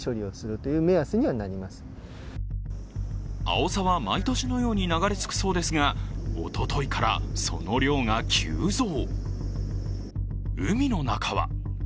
アオサは毎年のように流れ着くようですがおとといからその量が急増。